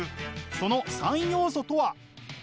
その３要素とは。